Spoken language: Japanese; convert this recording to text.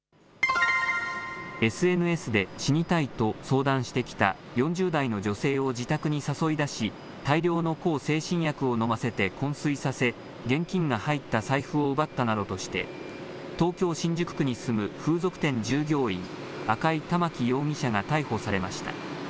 ＳＮＳで死にたいと相談してきた４０代の女性を自宅に誘い出し大量の向精神薬を飲ませてこん睡させ現金が入った財布を奪ったなどとして東京新宿区に住む風俗店従業員、赤井環容疑者が逮捕されました。